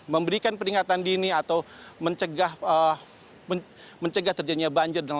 memberikan peringatan dini atau mencegah terjadinya banjir